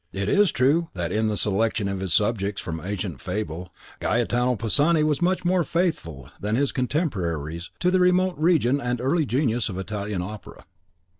It is true that in the selection of his subjects from ancient fable, Gaetano Pisani was much more faithful than his contemporaries to the remote origin and the early genius of Italian Opera.